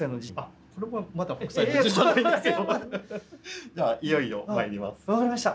ではいよいよまいります。